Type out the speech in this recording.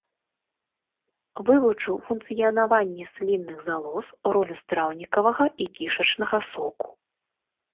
Вывучыў функцыянаванне слінных залоз, ролю страўнікавага і кішачнага соку.